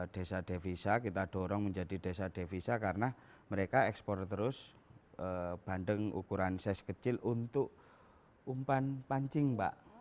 desa devisa kita dorong menjadi desa devisa karena mereka ekspor terus bandeng ukuran ses kecil untuk umpan pancing pak